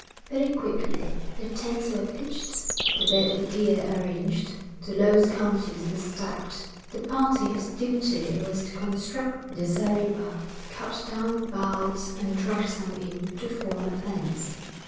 Very quickly the tents were pitched, the bed gear arranged, the loads counted and stacked. The party whose duty it was to construct the zeriba cut down boughs and dragged them in to form a fence.